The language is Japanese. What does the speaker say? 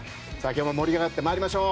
今日も盛り上がってまいりましょう。